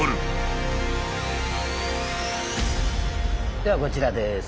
ではこちらです。